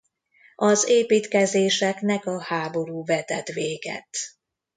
Az építkezéseknek a háború vetett véget.